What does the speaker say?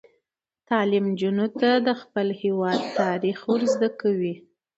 تعلیم نجونو ته د خپل هیواد تاریخ ور زده کوي.